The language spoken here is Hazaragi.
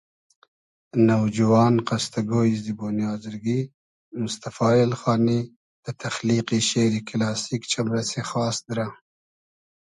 نوجوان قستۂ گۉیی زیبونی آزرگی موستئفا ایلخانی دۂ تئخلیقی شېری کیلاسیک چئمرئسی خاس دیرۂ